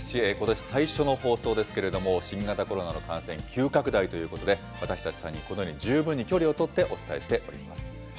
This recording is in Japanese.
ことし最初の放送ですけれども、新型コロナの感染急拡大ということで、私たち３人、このように十分に距離を取ってお伝えしております。